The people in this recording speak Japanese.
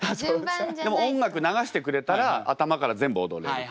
でも音楽流してくれたら頭から全部踊れるけど。